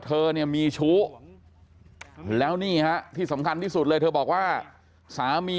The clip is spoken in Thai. เธอเนี่ยมีชู้แล้วนี่ฮะที่สำคัญที่สุดเลยเธอบอกว่าสามี